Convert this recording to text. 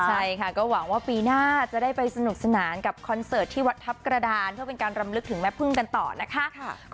ใช่ค่ะก็หวังว่าปีหน้าจะได้ไปสนุกสนานกับคอนเสิร์ตที่วัดทัพกระดานเพื่อเป็นการรำลึกถึงแม่พึ่งกันต่อนะคะ